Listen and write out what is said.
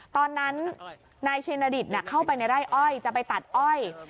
ตอนนั้นนายชินดิตเข้าไปในไร่อ้อยจะไปตัดอ้อย